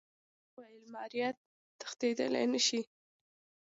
وړانګې وويل ماريا تښتېدل نشي.